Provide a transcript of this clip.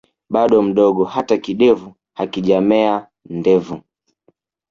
Bado mdogo hata kidevu hakijamea ndevu